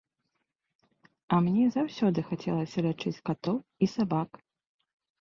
А мне заўсёды хацелася лячыць катоў і сабак.